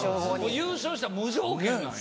優勝したら無条件なんや。